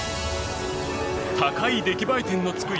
高い出来栄え点のつく